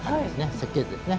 設計図ですね。